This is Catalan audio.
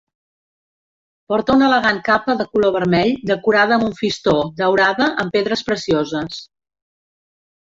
Porta una elegant capa de color vermell decorada amb un fistó daurada amb pedres precioses.